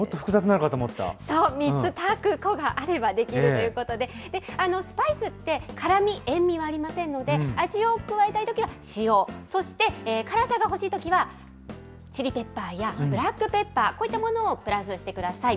そう、３つ、タクコがあれば出来るということで、スパイスって、辛み、塩味はありませんので、味を加えたいときは塩、そして辛さが欲しいときは、チリペッパーやブラックペッパー、こういったものをプラスしてください。